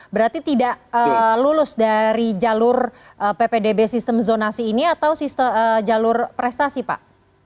berarti tidak lulus dari jalur ppdb sistem zonasi ini atau jalur prestasi pak